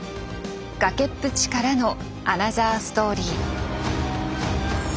崖っぷちからのアナザーストーリー。